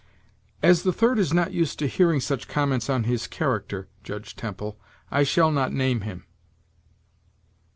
"As the third is not used to hearing such comments on his character, Judge Temple, I shall not name him."